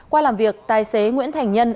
qua làm việc tài xế nguyễn thành nhân